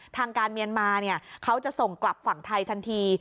ทางการเมียนมาเขาจะส่งกลับฝั่งไทยทันที